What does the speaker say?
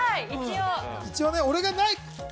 ◆一応俺がない。